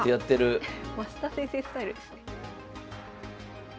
増田先生スタイルですね。